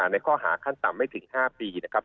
ในข้อหาขั้นต่ำไม่ถึง๕ปีนะครับ